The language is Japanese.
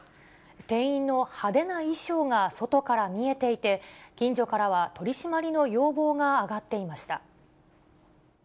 店員の派手な衣装が外から見えていて、近所からは、取締りの要望が上がっていました。